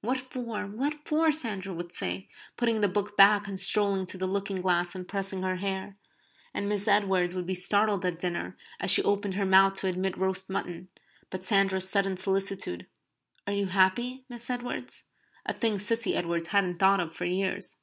"What for? What for?" Sandra would say, putting the book back, and strolling to the looking glass and pressing her hair. And Miss Edwards would be startled at dinner, as she opened her mouth to admit roast mutton, by Sandra's sudden solicitude: "Are you happy, Miss Edwards?" a thing Cissy Edwards hadn't thought of for years.